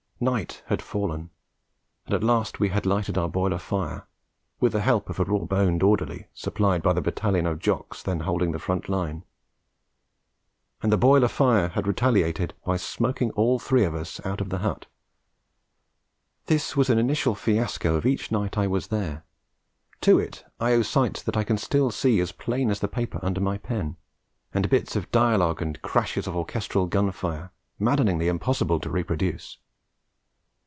Night had fallen, and at last we had lighted our boiler fire, with the help of a raw boned orderly supplied by the battalion of Jocks then holding the front line. And the boiler fire had retaliated by smoking all three of us out of the hut. This was an initial fiasco of each night I was there; to it I owe sights that I can still see as plain as the paper under my pen, and bits of dialogue and crashes of orchestral gun fire, maddeningly impossible to reproduce.